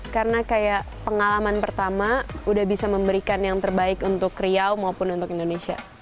karena kayak pengalaman pertama udah bisa memberikan yang terbaik untuk riau maupun untuk indonesia